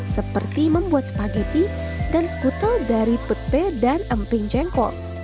seperti membuat spageti dan skutel dari pete dan emping jengkol